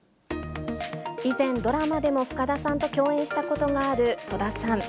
以前、ドラマでも深田さんと共演したことがある戸田さん。